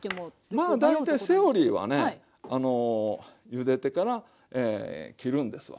まあ大体セオリーはねゆでてから切るんですわ。